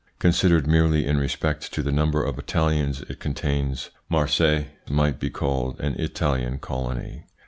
Considered merely in respect to the number of Italians it contains, Marseilles might be called an Italian colony.